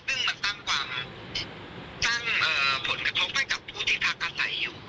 ซึ่งมันสร้างความสร้างผลกระทบให้กับผู้ที่พักอาศัยอยู่